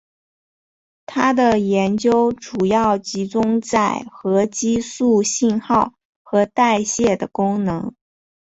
他的研究主要集中在核激素信号和代谢的功能。